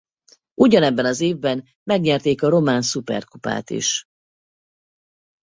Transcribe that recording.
Ugyanebben az évben megnyerték a román Szuperkupát is.